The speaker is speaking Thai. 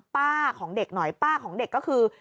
ของเด็กหน่อยป้าของเด็กก็คือ